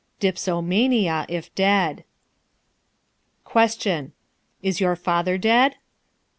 Dipsomania, if dead. Q. Is your father dead?